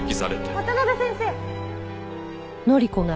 渡辺先生！